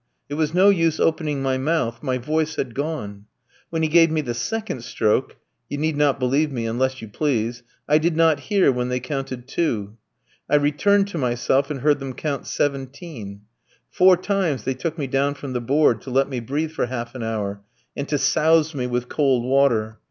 It was no use opening my mouth, my voice had gone. When he gave me the second stroke you need not believe me unless you please I did not hear when they counted two. I returned to myself and heard them count seventeen. Four times they took me down from the board to let me breathe for half an hour, and to souse me with cold water.